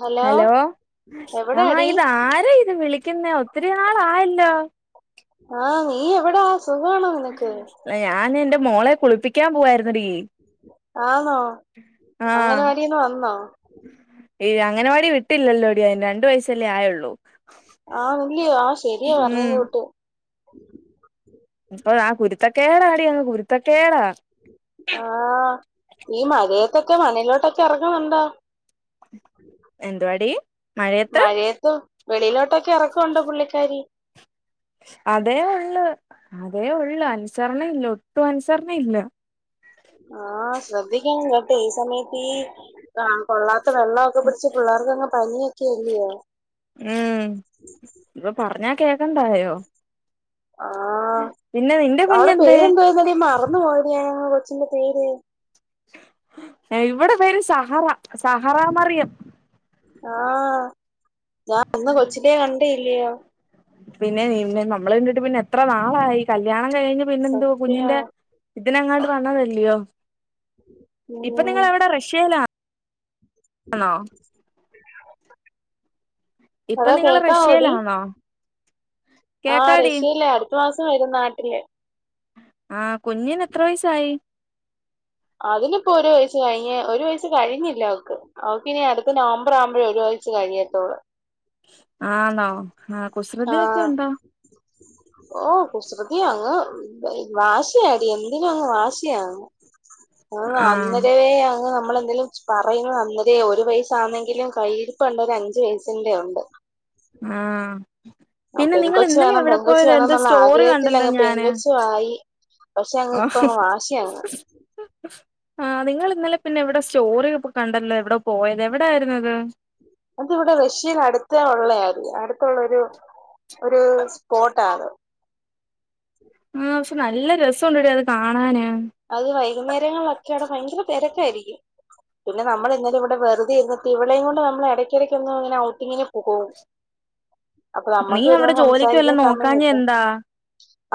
Hello ആഹ എവിടാടി ഇതാരഇത് വിളിക്കുന്നേ ഒത്തിരിനാളായല്ലോ ആഹ നീഎവിടെ? ഞാനന്റെമോളെ കുളിപ്പിക്കാൻ പോവായിരുന്നെടി.. ആന്നൊ ആഹ് അങ്ങനവാടീന്ന് വന്നോ? ഈ അങ്ങനവാടിവിട്ടില്ലല്ലോടി അതിന് രണ്ട് വയസ്സല്ലേആയൊള്ളൂ. ആഹ ഇല്ലിയോ ആശരിയാ [unintelligible] അപ്പൊഅ കുരുത്തക്കേടാടിയന്ന് കുരുത്തക്കേടാ.. ആഹ ഈ മഴയത്തെക്കെ മണ്ണിലോട്ടൊക്കെഎറങ്ങുന്നുണ്ടോ? എന്തുവാടി.? മഴയത്ത് മഴയത്തും വെളിയിലോട്ടൊക്കെ എറക്കൊണ്ടോപുള്ളിക്കാരി? അതേഉള്ളു അതേഉള്ളു അൻസർണയില്ലഒട്ടുംഅൻസർണയില്ല ആഹ ശ്രദ്ധിക്കണംകേട്ടെ ഈ സമയത്ത് ഈകൊള്ളാത്ത വെള്ളൊക്കെ പിടിച്ച്പിള്ളേർക്ക്ങ്ങ് പനിയൊക്കിഇല്ലിയോ ഉം ഇപ്പൊ പറഞ്ഞാ കേക്കണ്ടായോ ആ പിന്നെ നിന്റെ അവ്ടെ കുഞ്ഞെന്തേ പേരെന്തോയ്ര്ന്നടി മറന്നു പോയത്ഞാന ചിന്റെപേര്? ഇവിടെപേര് സഹറ സഹറാമറിയം.. ആഹഞാൻ അന്ന് കൊച്ചിനെകണ്ടില്ല്യ പിന്നെനിന്നെ നമ്മള്കണ്ടിട്ട് പിന്നെഎത്രനാളായി കല്യാണംകഴിഞ്ഞ് പിന്നെന്തു സത്യാ കുഞ്ഞിന്റെ ഇതിനങ്ങാണ്ട് വന്നതല്ലിയോ ഉം ഇപ്പൊനിങ്ങളെവിടെ റഷ്യയിലാ ആണോ ഇപ്പൊ [unintelligible] നിങ്ങള് കേക്കാവൊടി? റഷ്യയിലാണോ ആഹ കേക്കാടി റഷ്യലാ അടുത്തമാസംവരും നാട്ടില് ആഹ കുഞ്ഞന്എത്രവയസായി? അതിനിപ്പോ ഒരുവയസ്സ് കഴിഞ്ഞ് ഒരുവയസ്സ്കഴിഞ്ഞില്ലാവക്ക് അവക്ക്നി അടുത്ത്നവംബറാആവുമ്പഴേഒരു വയസ് [unintelligible] ആണോ? ആ കുസൃതിയൊക്കെ ആഹ ഉണ്ടോ ഓ കുസൃതി യാ അങ്ങ് വാശിയാടി എന്തിനും അങ്ങ് വാശിയാ ആ അന്നരവേഅങ്ങ് നമ്മളെന്തേലും പറയുന്ന അന്നേരേ ഒരു വയസാന്നെങ്കിലും കൈയിലിരിപ്പ് കണ്ടാ ഒരഞ്ച് വെയസിന്റെ ഉണ്ട്. ആഹ് ആ പിന്നെ നിങ്ങള് പെൺകൊച്ച് ഇന്നലെ വേണം എവിടെ പെൺകൊച്ച് പോയതാ വേണം എന്തോ എന്നുള്ള സ്റ്റോറി ആഗ്രഹത്തിൽ കണ്ടല്ലോ അങ്ങ് ഞാന് പെൺകൊച്ചും ആയി പക്ഷെ അങ്ങ് ആ ഇപ്പൊ അങ്ങ് വാശിയാങ്ങ് ആഹ് നിങ്ങൾ ഇന്നലെ പിന്നെ എവിടെ സ്റ്റോറി പ്പ് കണ്ടല്ലോ എവ്ടെപോയത് എവിടെ ആയിരുന്നത്? അത് ഇവിടെ റഷ്യയിലെ അടുത്തെ ഉള്ളെ ആയിരുന്നു അടുത്തുള്ളൊരു ഒരൂ സ്പോട്ടാണ് ആഹ് പക്ഷെ നല്ല രസ ഉണ്ടടി അത് കാണാന് അത് വൈകുന്നേരങ്ങളിലൊക്കെ അവിടെ ഭയങ്കര തെരക്കായിരിക്കും. പിന്നെ നമ്മളിന്നലെ ഇവടെ വെറുതെയിര്ന്നിട്ട് ഇവളെയും കൊണ്ട് നമ്മൾ എടയ്ക്കിടയ്ക്കൊന്ന് ഇങ്ങനെ ഔട്ടിങ്ങിന് പോവും. അപ്പം നീ നമ്മക്ക് അവിടെ ഇരുന്ന് ജോലിക്ക് സംസാരിക്കാൻ വല്ലോം നോക്കാഞ്ഞെ സമയില്ല എന്താ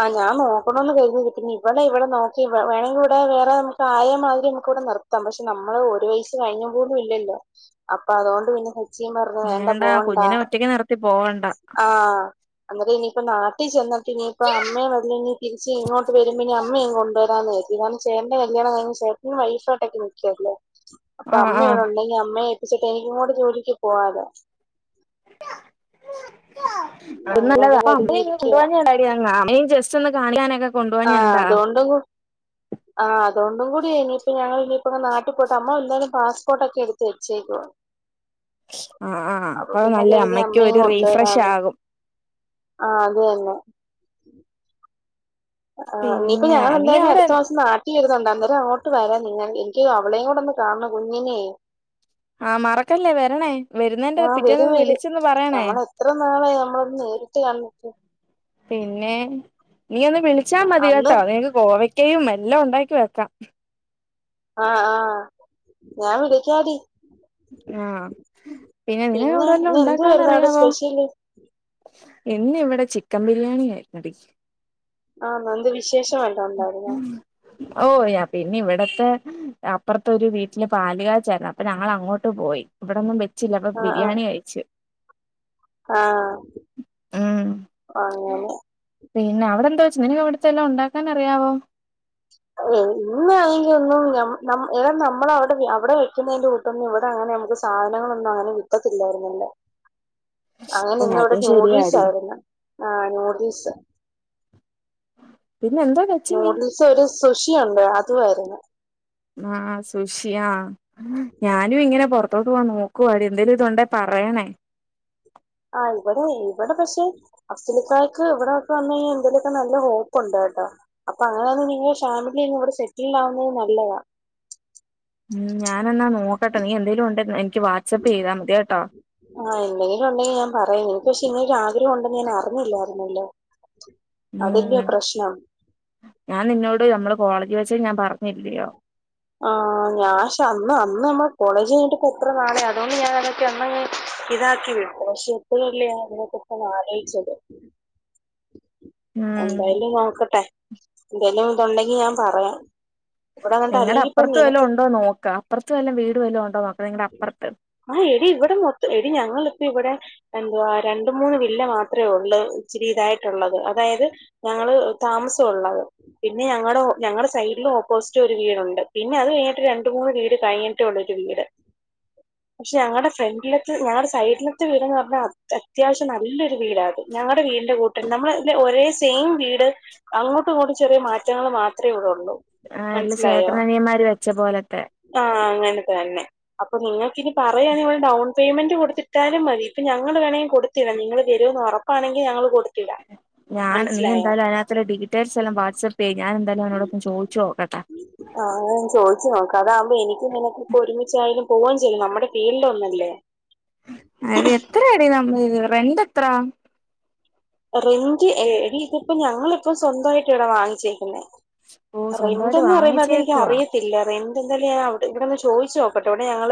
ആഹ് ഞാൻ നോക്കണോന്ന് കര്തി പിന്നെ ഇവളെ ഇവടെ നോക്കി വേ വേണമെങ്കി ഇവടെ വേറെ നമുക്ക് ആയമാരെ നമുക്കിവടെ നിർത്താം പക്ഷെ നമ്മള് ഒരു വയസ് കഴിഞ്ഞ പോലും ഇല്ലല്ലോ അപ്പൊ അതുകൊണ്ട് പിന്നെ സച്ചിം പറഞ്ഞ് വേണ്ട പോവണ്ട കുഞ്ഞിനെ ഒറ്റക്ക് നിർത്തി പോവണ്ട ആഹ് അന്നേരം ഇനി ഇപ്പ നാട്ടിൽ ചെന്നിട്ട് ഇനിയിപ്പോ അമ്മയെ വല്ല ഇനി തിരിച്ച് ഇങ്ങോട്ട് വരുമ്പോ ഇനി അമ്മയും കൊണ്ട് രാന്ന് കര്തി. കാരണം ചേട്ടന്റെ കല്യാണം കഴിഞ്ഞ് ചേട്ടൻ വൈഫായ്ട്ടൊക്കെ നിക്കല്ലേ അപ്പൊ ആഹ് ആഹ് അമ്മയിവടെണ്ടെങ്കി അമ്മയെ ഏൽപ്പിച്ചിട്ട് എനിക്കും കൂടെ ജോലിക്ക് പോവാലോ അത് നല്ലതാ. അങ്ങനൊക്കെ അപ്പ അമ്മയെയിങ്ങ് കൊണ്ട് കരുതിയിരിക്കുവാ വാഞ്ഞതെന്താടി അങ്ങ് അമ്മയും ജസ് ആഹ് അതോണ്ടും കൂ ആഹ് അതുകൊണ്ടും കൂടിയാ ഇനിയിപ്പ ഞങ്ങളിനി ഇപ്പൊ ന്ന് നാട്ടിൽ പോയിട്ട് അമ്മ എന്തായാലും പാസ്പോർട്ട് ഒക്കെ എടുത്ത് വച്ചേക്കുവാ ആഹ് ആഹ് അപ്പൊ പിന്നെ നല്ല കര്തി അമ്മയ്ക്ക് അമ്മെം ഒരു റീഫ്രഷ് കൊണ്ടുവരാന്ന് ആകും ആഹ് അതന്നെ ആഹ് ഇനിപ്പോ പിന്നെ ഞാൻ നീ എന്തായാലും അവിടെ അട്ത്ത മാസം നാട്ട് [unintelligible] അന്നേരം അങ്ങോട്ട് വരാ നിങ്ങൾ ഇൻക്ക് അവളേകൂടെ ഒന്ന് കാണണം കുഞ്ഞിനേ ആഹ് മറക്കല്ലേ വരണേ വരുന്നേന്റെ [inaudible] ആഹ് പിറ്റേന്ന് വരും വരും വിളിച്ചൊന്ന് പറയണേ നമ്മള എത്ര നാളായി നമ്മളാെന്ന് നേരി ട്ട് കണ്ട്ട്ട് പിന്നെ നീ ഒന്ന് വിളിച്ചാ മതി അന്ന് കേട്ടോ നിൻക്ക് ഗോവയ് ക്കയും എല്ലാം ഉണ്ടാക്കി വെക്കാം ആഹ് ആഹ് ഞാൻ വിളിക്കാടീ ആഹ് [inaudible] നിനക്ക് പിന്നെ അവിടെ വല്ലോം ഇന്ന് ഉണ്ടാക്കാൻ എന്തുവായ്‌ര്ന്നു അവിടെ സ്പെഷ്യല് [inaudible] ഇന്നിഇവിടെ ചിക്കൻ ബിരിയാണി ആയിര്ന്നെടീ [inaudible] ആ ഇന്ന് എന്ത് വിശേഷം വല്ലതും ഉണ്ടായിരുന്നു ഔ യാ പിന്നെ ഇവിടത്തെ അപ്പർത്തെ ഒരു വീട്ടില് പാലുകാച്ചലാ അപ്പൊ ഞങ്ങൾ അങ്ങോട്ട് പോയി ഇവിടെന്നും വെച്ചില്ല അപ്പൊ ബിരിയാണി കയിച്ചു ആഹ് ഉം അങ്ങനെ പിന്നെ അവിടെ എന്ത് വെച്ച് നിനക്ക് അവിട്ത്തെല്ലാം ഉണ്ടാക്കാൻ അറിയാവോ ഇന്നാണെങ്കിൽ ഒന്നും നം നം എടാ നമ്മളവ്ടെ അവടെ വെക്കുന്നതിന്റെ കൂട്ടന്നും ഇവടെ അങ്ങനെ നമുക്ക് സാധനങ്ങളൊന്നും അങ്ങനെ കിട്ടത്തില്ലായിരുന്നല്ലേ അങ്ങനെ ഓ ഇന്ന് ഇവിടെ അതും ന്യൂഡിൽസ് ശരിയാടി ആയിരുന്നു ആഹ് ന്യൂഡിൽസ് പിന്നെ എന്തോ വെച്ച് നീ നുഡിൽസും ഒരു സുഷിയുണ്ട് അതുവായിരുന്നു അഹ്ആഹ് സുഷി ആഹ് ഞാനും ഇങ്ങനെ പൊറത്തോട്ട് പോകാൻ നോക്കു പാടി എന്തേലും ഇതുണ്ടെ പറയണേ ആഹ് ഇവടെ ഇവടെ പക്ഷെ അഫ്സൽക്കാക്ക് ഇവിടൊക്കെ വന്നഴിഞ് എന്തേലൊക്കെ നല്ല ഹോക്കുണ്ട് കട്ടോ അപ്പൊ അങ്ങനാന്ന്ണ്ടങ്ങി ഷാനൂന് ഇങ്ങോട്ട് സെറ്റിൽ ആവുന്നെ നല്ലതാ ഉം ഞാന എന്നാ നോക്കട്ടെ നീ എന്തേലും ഉണ്ടേ [unintelligible] ചെയ്താൽ മതി കേട്ടോ ആ എന്തെങ്കിലും ഉണ്ടെങ്കിൽ ഞാൻ പറയാ [unintelligible] പക്ഷെ ഇനിയൊരു ആഗ്രഹം ഉണ്ടെന്ന് ഞാൻ അറിഞ്ഞില്ലായിരുന്നല്ലോ അതല്ലിയോ ഉം പ്രശ്നം ഞാൻ നിന്നോട് നമ്മള് കോളേജ യുവൽസ് ഞാൻ പറഞ്ഞില്യോ. ആ ഞാ ഷാ അന്ന് അന്ന് നമ്മള് കോളേജ് കഴിഞ്ഞിട്ടിപ്പോ എത്ര നാളെ അതുകൊണ്ട് [unintelligible] ഇതാക്കി വിട്ടു പക്ഷെ എപ്പോഴല്ലേ അതിനെക്ക ഇപ്പം ആലോച്ചത്. ഉം എന്തായാലും നോക്കട്ടെ എന്തായാലും ഇതുണ്ടെങ്കി ഞാൻ പറയാം. ഇവിടെ അങ്ങട്ട് നിങ്ങളുടെ അല്ലെങ്കി ഇപ്പൊ അപ്പറത്ത് വല്ല നിനക്ക് ഉണ്ടോ നോക്ക അപ്പുറത്ത് വല്ലാം വീട് വല്ല ഉണ്ടോ നോക്ക നിങ്ങളുടെ അപ്പുറത്ത് ആ എടി ഇവിടെ മൊത്തം എടി ഞങ്ങൾ. ഇവിടെ എന്തുവാ രണ്ട് മൂന്ന് വില്ല മാത്രെ ഉള്ളൂ ഇച്ചരി ഇതാ ട്ടുള്ളത് അതായത് ഞങ്ങള് താമസൊള്ളത് പിന്നെ ഞങ്ങടെ ഞങ്ങളുടെ സെയിട്ൽ ഓപ്പോസിറ്റ് ഒരു വീടുണ്ട് പിന്നെ അത് കഴിഞ്ഞിട്ട് രണ്ട് മൂന്ന് വീട് കഴിഞ്ഞിട്ടൊള്ളൂരു വീട്. പക്ഷെ ഞങ്ങളുടെ ഫ്രണ്ടിലത്ത് ഞങ്ങളുടെ സൈഡിലത്തെ വീട്ന്ന് പറഞ്ഞാൽ അത്യാവശ്യം നല്ലൊരു വീടാത്. ഞങ്ങള വീന്റെ നമ്മളെ ഒരേ സെയിം വീട് അങ്ങോട്ട് ഇങ്ങോട്ടു ചെറിയ മാറ്റങ്ങൾ മാത്രമേ ഇവിടെള്ളൂ. ആ എല്ല ചേട്ടനനിയന്മാര് വെച്ച പോലത്തെ. ദന്നെ അപ്പൊ നിങ്ങൾക്ക് ഇനി പറയാ ഡൗൺ പേയ്മെന്റ് കൊടുത്തിട്ടാലും മതി ഇപ്പൊ ഞങ്ങൾ വേണെ കൊടുത്ത് ല്ല നിങ്ങൾ വരുമന്ന് ഉറപ്പാണെങ്കിൽ ഞങ്ങള് കൊടു ഞാൻ നീ എന്തായാല അതിനക ഡീറ്റെയിൽസ് എല്ലാം വാട്സആപ്പ് ചെയ്യ് ഞാൻ എന്തായാലും അവനോടൊപ്പം ചോ ആഹ ഞാൻ ചോദിച്ചു നോക്കാ. കഥകുമ്പോ എനിക്ക് നിനകൊക്കെ ഒരുമിച്ചായാലും പോവു ചെയ്യും നമ്മുടെ ഫീൽഡ്‌ ഒന്നല്ലേ. അത് എത്രായിടി നമ്മ് രണ്ട് എത്ര. റെന്റ് എടി ഇതിപ്പോ ഞങ്ങളിപ്പ സ്വന്തമായിട്ട് ഇവിടെ വാങ്ങിച്ചേക്കുന്നെ. ഓ റെന്റ് സ്വന്തമായിട്ട് എന്ന് പറയുമ്പോ അത് എനിക്ക് വാങ്ങിച്ചേക്കുവാ അറിയത്തില്ല റെന്റ് എന്തായാലു ഞാൻ ഇവിടെന്ന് ചോയി ചോക്കാട്ടെ ഇവിടെ ഞങ്ങൾ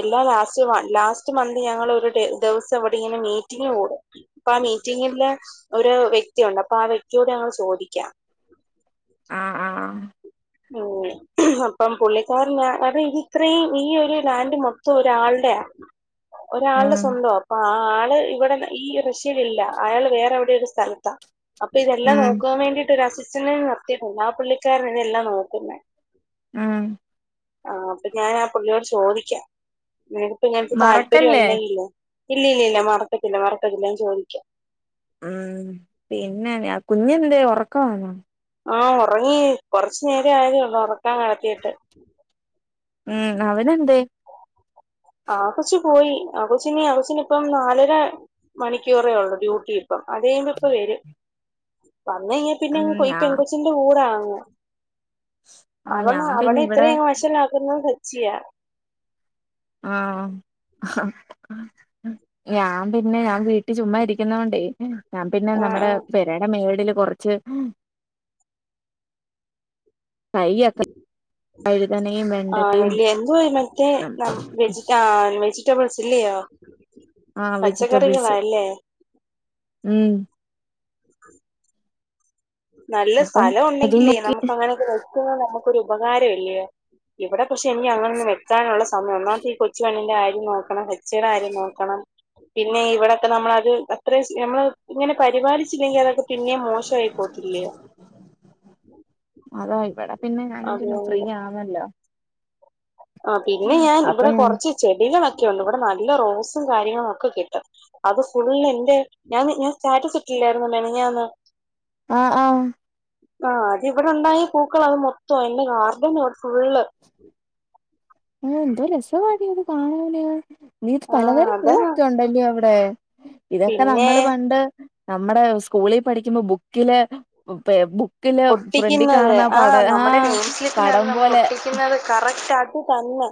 എല്ലാ ലാസ്റ്റ് വ ലാസ്റ്റ് മന്ത് ഞങ്ങൾ ഒരു ഡേ ദിവസം എവിടെ ഇങ്ങനെ മീറ്റി ഓടും പ്പ മീറ്റിങ്ങില്ലേ. ഒരു വ്യക്തിയുണ്ട് അപ്പാ ആ വ്യക്തിയോട് ഞങ്ങൾ ചോദിക്കാ. ആഹ് ആഹ് ഉ അപ്പം പുള്ളിക്കർ ഞ അത് ഇത് ഇത്രയും ഈ ഒരു ലാൻഡ് മൊത്തം ഒരാളുടെ. ഒരാളുടെ ഉം സ്വന്തോ അപ്പൊ ആ ആള് ഇവിടെ ഈ റഷ്യലില്ല അയാൾ വേറെ എവിടയോ ഒരു സ്ഥലത്താ. അപ്പൊ ഇതെല്ലാം ഉം നോക്കുവാ വേണ്ടയിട്ട് ഒരു അസിസ്റ്റന്റ് നിർത്തിയിട്ടുണ്ട് ആ പുള്ളിക്കാരന് ഇതെല്ലാം നോക്കുന്നെ. ഉം ആ അപ്പൊ ഞാൻ ആ പുള്ളിയോട് ചോദിക്കാം. നിങ്ങക്ക് ഇങ്ങനത്തെ താല്പര്യം മറക്കല്ലേ ഉണ്ടയില്ലേ ഇല്ല ഇല്ല ഇല്ല മറത്തട്ടില്ല മറത്തട്ടില്ല ഞാൻ ചോദിക്കാ. ഉം പിന്നെ കുഞ്ഞെന്തേ ഉറക്കവാന്നോ? ആഹ ഉറങ്ങി കൊറച്ചു നേരം ആയതള്ളു ഉറക്കാൻ കടത്തിട്ട്. ഉം അവനെന്തേ? ആ കൊച്ചു പോയി ആ കൊച്ചിന് ആ കൊച്ചിനി ഇപ്പം നാലര മണിക്കൂറെ ഉള്ളൂ ഡ്യൂട്ടി. അം അത്പ ഇപ്പൊ വരും. വന്ന കൈഞ്ഞാ പിന്നെ ഉം ഈ പോയി ഞാ പെൻ കൊച്ചിന്റെ കൂടാന്ന്. ആ അവണ് ഞാൻ അവന പിന്നെ ഇവിടെ ഇത്രയും വഷളാക്കുന്നെ സച്ചിയാ. ആഹ്‌ ഞാൻ പിന്നെ ഞാൻ വീട്ടിൽ ചുമ്മ ഇരിക്കുന്നവണ്ടേ. ഞാൻ പിന്നെ ആഹ് നമ്മുടെ ആഹ് പെരായുടെ മേടില് കുറച്ച്. വയ്യ കാ ആഹ്‌ വല്യ എന്ത മറ്റേ ന വെജി ട്ടാ വെജി. ബിൾസ് ഇല്ലയോ ആ വെജിറ്റബിൾസ് പച്ചക്കറികവാല്ലേ. ഉം. നല്ല അപ്പം സ്ഥലം അത് ഉണ്ടെങ്കിലേ നോക്കി നമുക്ക് അങ്ങനെയൊക്കെ വെക്കുന്ന നമ ഒരു ഉപകാരല്ല്യ ഇവിടെ പക്ഷെ എനി അങ്ങനൊന്ന് വെക്കാനുള്ള സമയം ഒന്നാമത് ഈ കൊച്ചു വന്ന് ആയം നോക്കണം കൊച്ചയുടെ കാര്യം നോക്കണം. പിന്നെ ഇവിടൊക്കെ നമ്മള് അത് അത്ര നമ്മള് ഇങ്ങനെ പരിപാലിച്ചില്ലെങ്കിൽ അതൊക്കെ പിന്നേെ മോശമായിക്കും അതാ ഇവിടെ പിന്നെ ഞാനും പിന്നെ അതുകൊണ്ട് ഫ്രീയാണല്ലോ ആഹ്‌ പിന്നെ ഞാൻ അപ്പൊ ഇവിടെ ഞാൻ കുറച്ച് ചെടികള ഇവിടെ നല്ല റോസും കാര്യങ്ങളൊക്കെ കിട്ടും അത് ഫുള്ളെ എന്റെ ഞാൻ സ്റ്റാറ്റസ് ഇട്ടി ായിുന്ന മെനഞ്ഞാന്നു ആഹ ആഹ ആഹ അത് ഇവിടെണ്ടായ പൂക്കൾ അത് മൊത്തം എന്റെ ഗാർഡന് ഇവിടെ ഫുള്ള് ആ എന്തോ രസവാടി അത് കാണാന് നീത് ആ പലതരം അതാ പൂവൊക്കെ ഉണ്ടല്ലോ അവിടെ ഇതൊക്കെ പിന്നെ നമ്മള് പണ്ട് നമ്മുടെ സ്കൂളിൽ പഠിക്കുമ്പോ ബുക്കിലെ ഒട്ടിക്കുന്നത് ആ് നമ്മുടെ നെയിം സ്ലിപ്പിനല്ല പടം നമ്മൾ പോലെ ഒട്ടിക്കുന്നത് കറക്റ്റ് ആ തന്നെ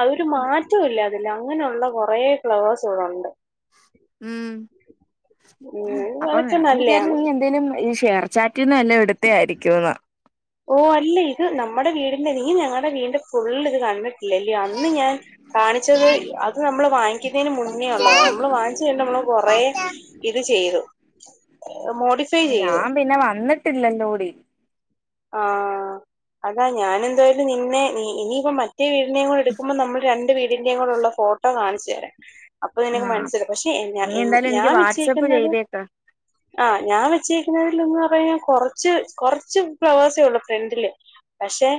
അതൊരു മാറ്റവുംല്ല അതില് അങ്ങനെയുള്ള കുറ ഫ്ലവേഴ്സു ഇവിടെ ഉണ്ട് ഉം ഉം അപ്പൊ അതൊക്കെ ഞാൻ നല്ലയാണ്. വിചാരിച്ചേ എന്തേലും ഈ ഷേർച്ചാറ്റ് റ്റ നല്ല ഇടത്തെ ആയിരിക്കും എന്ന ഇല്ല നീ ഞങ്ങളുടെ വീന്റെ പുള്ളി ഇത് കണ്ടിട്ട് ല്ല അന്ന് ഞാൻ കാണിച്ചത് അത് നമ്മൾ വാങ്ങിക്കുന്നതിന് മുന്നേ ഉള്ളതാ നമ്മൾ വാങ്ങിച്ചു കണ്ടമ്മ കൊറെ ഇത് ചെയ്തു. മോഡിഫൈ ചെയ്തു ഞാൻ പിന്നെ വന്നിട്ടില്ലല്ലോടി. ആഹ അതാ ഞാനെന്തായാലും നിന്നെ ഇനിപ്പ മറ്റെ മറ്റേ വീടിന്റെേയും കൂടെ എടുക്കുമ്പോൾ നമ്മള് രണ്ട് വീടിന്റെേയും കുടെയുള്ള ഫോട്ടോ കാണിച്ച് തരാം. അപ്പൊ നിനക്ക് ആഹ് മനസ്സില്ല പക്ഷെ എ നീ എന്നെ എന്തായാലും ഞാൻ എനിക്ക് വാട്സപ്പ് വെച്ചിരിയിക്കുന്നത്. ചെയ്തേക്ക് ആ ഞാൻ വെച്ചക്കുന്നതിൽന്ന് പറ കഴിഞ്ഞാൽ കൊറച്ച് കൊറച്ച് ഫ്ലവേഴ്സേ ഉള്ളൂ ഫ്രണ്ടില്. പക്ഷെ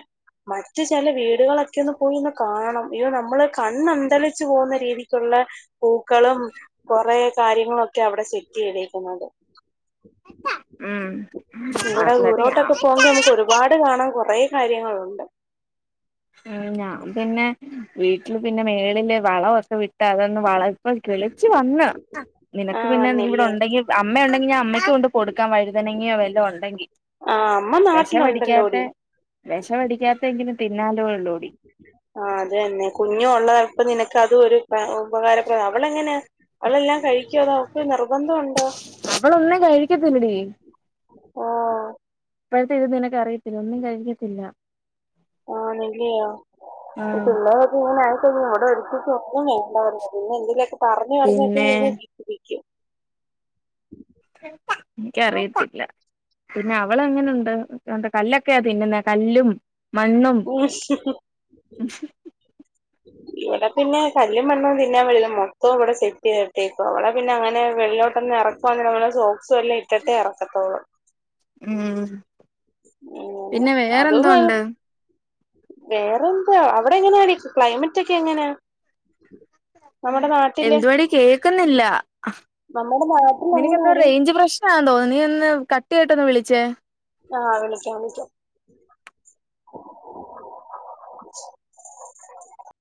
മറ്റ് ചില വീടുകളൊക്കെ ഒന്ന് പോയി ഒന്ന് കാണണം ഇ നമ്മള് കണ്ണന്തലിച്ചു പോകുന്ന രീതിക്കുള്ള ള്ള പൂക്കളും കൊറെ കാര്യങ്ങളൊക്കെ അവിടെ സെറ്റ് ചെയ്തിരിക്കുന്നത് ഉം ന്നിട്ട് ഞ ങ്കിൽ നമുക്ക് ഒരുപാട് കാണാൻ കുറെ കാര്യങ്ങളുണ്ട്. ഉ ഞാ പിന്നെ വീട്ടില് പിന്നെ മേളില് വളമൊക്കെ വിട്ട് അതൊന്ന് വള ഇപ്പോ കിളിച്ചു വന്ന്. നിനക്ക് ആഹ് പിന്നെ നീ ഇവിടെ വന്നില്ലേ ഉണ്ടെങ്കിൽ. അമ്മയ ഉണ്ടെങ്കിൽ ഞാൻ അമ്മയ്ക്ക് കൊണ്ട് കൊടുക്കാം വഴുതനെങ്ങിയോ വല്ലതും ഉണ്ടെങ്കിൽ. ആഹ് അമ്മ വെഷം അടിക്കാത്ത നാട്ടിലുണ്ടല്ലോടി. വെഷം അടിക്കാത്ത എങ്കിലും തിന്നാലോള്ളൂടി. ആ അത് തന്നെ കുഞ്ഞു ഉള്ളപ്പ നിനക്ക് അത് ഒരു ഉപകാരപ്രദം അവളെങ്ങനെ അവളെല്ലാം കഴിക്കുവോ അതോ അവക്ക് നിർബന്ധംണ്ടോ. അവളൊന്നു കഴിക്കത്തില്ലടി. ഓ ഇപ്പോഴത്തെ ഇത് നിനക്ക് അറിയത്തില്ല. ഒന്നും കഴിക്കത്തില്ല. ആ ണില്ലിയോ ഇ ആഹ് പിള്ളര് ഒക്കെ ഇങ്ങനെ വിടെ ഒരിക്കിന്ന വേണ്ട നിന്ന് എന്തന്ലൊക്കെ പറഞ്ഞ് പറഞ്ഞിട്ട് പിന്നെ തിറ്റിപ്പിക്കും. [inaudible] എനിക്കറിയത്തില്ല. പിന്നെ അവള് എങ്ങനുണ്ട്? എന്ത കല്ലൊക്കെയാ തിന്നുന്നേ കല്ലും മണ്ണും. ഉം. ഉ [unintelligible] ഇവിടെ പിന്നെ കല്ലും മണ്ണും തിന്നാൻ വല്ലോ മൊത്തവും ഇവിടെ സെറ്റ് ചെയ്തിട്ടേക്കുവ അവിടെ പിന്നെ അങ്ങനെ വെള്ളിലോട്ട്ന്നു ഇറ ഇറക്കുവാണേൽ നമ്മ സോക്സ് എല്ലാം ഇട്ടിട്ടേ ഇറക്കത്തോള്ളൂ. ഉം പിന്നെ അതും വേറെന്തോ ഉണ്ട്. വേറെന്താ അവിടെ എങ്ങനാണ്. ക്ലൈമറ്റ് ഒക്കെ എങ്ങനാ? എന്തുവാടി കേക്കുന്നില്ല. നമ്മു നിനകെന്തോ റേഞ്ച് പ്രശ്നാ തോന്നുന്നു. നീ ഒന്ന് കട്ടു ചെയിതിട്ടൊന്ന് വിളിച്ചേ. ആ വിളിക്കാം വിളിക്കാം. [unintelligible]